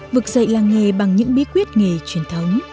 vực dậy làng nghề bằng những bí quyết nghề truyền thống